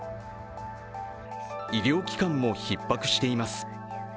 医療機関もひっ迫しています。